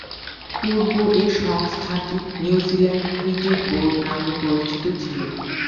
পূর্ব এ সংস্থাটি New Zealand cricket board নামে পরিচিত ছিল।